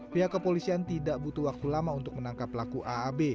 pihak kepolisian tidak butuh waktu lama untuk menangkap pelaku aab